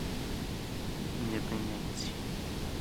Independência